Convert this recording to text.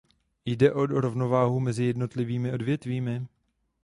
Jde o rovnováhu mezi jednotlivými odvětvími?